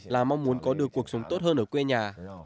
là mong muốn có được cuộc sống tốt hơn ở quê nhà